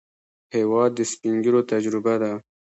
هېواد د سپینږیرو تجربه ده.